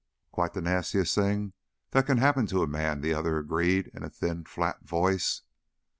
"Quite the nastiest thing that can happen to a man," the other agreed in a thin, flat voice.